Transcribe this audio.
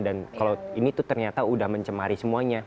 dan kalau ini tuh ternyata udah mencemari semuanya